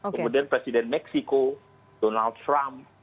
kemudian presiden meksiko donald trump